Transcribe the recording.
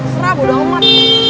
serah gue udah omat